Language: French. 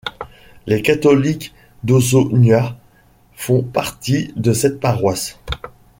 Les catholiques d’Osogna font partie de cette paroisse.